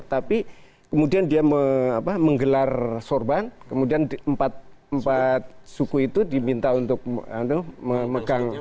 tapi kemudian dia menggelar sorban kemudian empat suku itu diminta untuk memegang